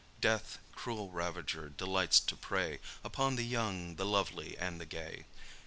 Death, cruel ravager, delights to prey Upon the young, the lovely and the gay.